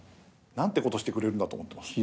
なんてことしてくれるんだと思ってます。